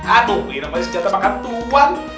aduh ini namanya senjata pakan tuhan